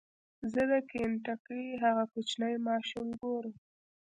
زه د کینټکي هغه کوچنی ماشوم ګورم.